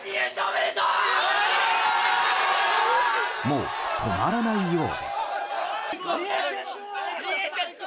もう止まらないよう。